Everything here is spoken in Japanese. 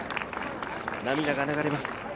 涙が流れます。